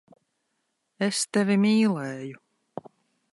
Es tevi mīlēju.